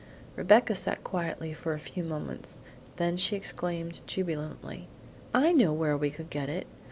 Rebecca sat quietly for a few moments, then she exclaimed jubilantly: "I know where we could get it!